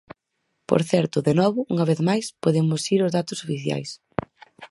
Por certo, de novo, unha vez máis, podemos ir aos datos oficiais.